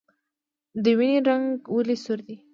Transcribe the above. د وینې رنګ ولې سور دی